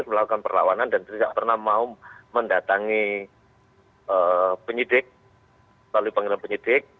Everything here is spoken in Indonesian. m essa yang ditolak tanah